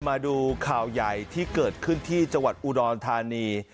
มาดูข่าวใหญ่ที่เกิดขึ้นที่จังหวัดอุดรธานี